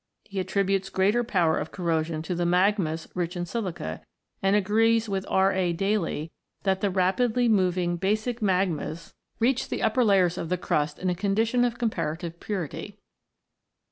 He attributes greater power of corrosion to the magmas rich in silica, and agrees with R. A. Daly that the rapidly moving basic magmas 126 ROCKS AND THEIR ORIGINS [CH. reach the upper layers of the crust in a condition of comparative purity.